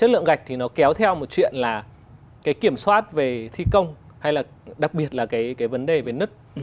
chất lượng gạch thì nó kéo theo một chuyện là cái kiểm soát về thi công hay là đặc biệt là cái vấn đề về nứt